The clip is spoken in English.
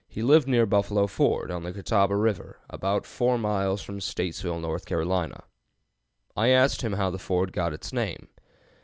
He lived near Buffalo Ford, on the Catawba River, about 4 miles from Statesville, N. C. I asked him how the ford got its name.